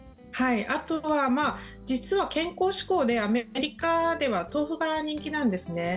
あとは実は健康志向でアメリカでは豆腐が人気なんですね。